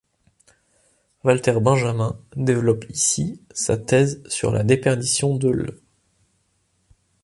Walter Benjamin développe ici sa thèse sur la déperdition de l'.